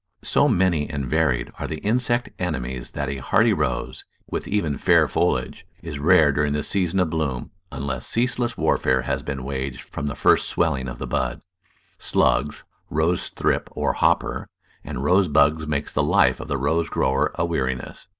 So many and varied are the insect enemies that a hardy Rose, with even fair foliage, is rare during the season of bloom, unless ceaseless warfare has been waged from the first swelling of the buds. Slugs, rose thrip or hopper, and rose bugs make the life of the rose grower a weariness.